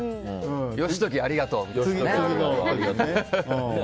義時ありがとうって。